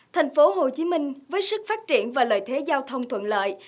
thành phố hồ chí minh với sức phát triển và lợi thế giao thông thuận lợi